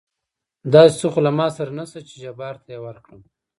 داسې څه خو له ما سره نشته چې جبار ته يې ورکړم.